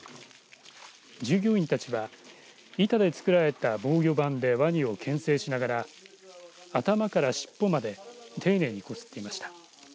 従業員たちは板で作られた防御板でわにをけん制しながら頭からしっぽまで丁寧にこすっていました。